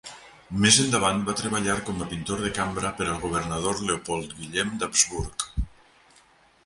Més endavant va treballar com a pintor de cambra per al governador Leopold Guillem d'Habsburg.